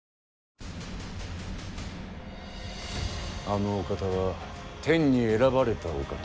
あのお方は天に選ばれたお方。